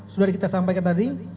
sudah kita sampaikan tadi